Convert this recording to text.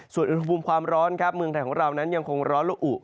ส่วนอุณหภูมิความร้อนครับเมืองไทยของเรานั้นยังคงร้อนละอุ